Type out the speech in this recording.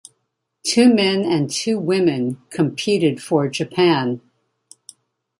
Two men and two women competed for Japan.